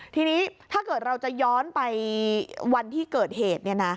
ทีนี้ถ้าเกิดเราจะย้อนไปวันที่เกิดเหตุ